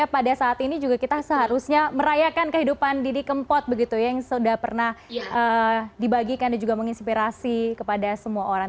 pada saat ini juga kita seharusnya merayakan kehidupan didi kempot begitu ya yang sudah pernah dibagikan dan juga menginspirasi kepada semua orang